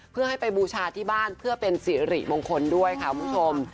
เพื่อให้ไปบูชาที่บ้านเพื่อเป็นสิริมงคลด้วยค่ะคุณผู้ชม